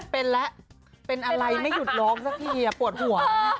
เป็นแล้วเป็นอะไรไม่หยุดร้องสักทีปวดหัว